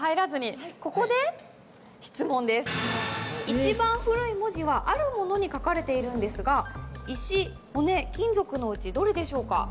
一番古い文字はあるものに書かれているんですが石骨金属のうちどれでしょうか？